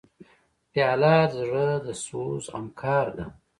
پیاله د زړه د سوز همکار ده.